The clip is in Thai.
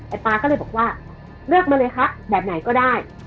ป๊าก็เลยบอกว่าเลือกมาเลยคะแบบไหนก็ได้